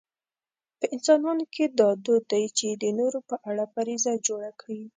په انسانانو کې دا دود دی چې د نورو په اړه فرضیه جوړه کړي.